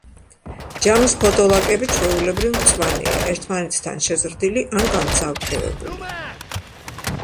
ჯამის ფოთოლაკები ჩვეულებრივ მწვანეა, ერთმანეთთან შეზრდილი ან განცალკევებული.